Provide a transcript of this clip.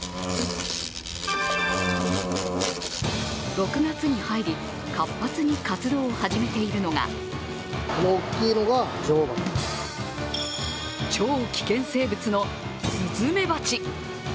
６月に入り、活発に活動を始めているのが超危険生物のすずめばち。